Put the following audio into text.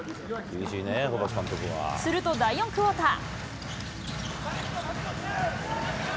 すると第４クオーター。